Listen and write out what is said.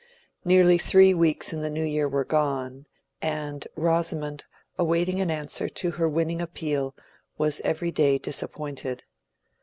Nearly three weeks of the new year were gone, and Rosamond, awaiting an answer to her winning appeal, was every day disappointed.